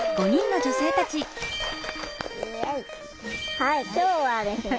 はい今日はですね